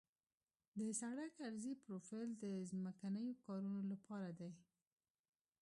د سړک عرضي پروفیل د ځمکنیو کارونو لپاره دی